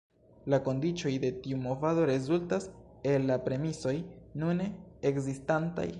La kondiĉoj de tiu movado rezultas el la premisoj nune ekzistantaj".